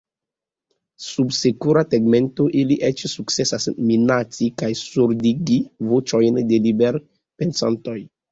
Sub sekura tegmento ili eĉ sukcesas minaci kaj surdigi voĉojn de liberpensantoj.